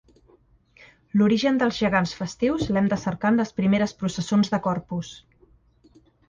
L'origen dels gegants festius l'hem de cercar en les primeres processons de Corpus.